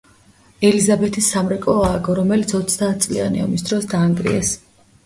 ელიზაბეთის სამრეკლო ააგო, რომელიც ოცდაათწლიანი ომის დროს დაანგრიეს.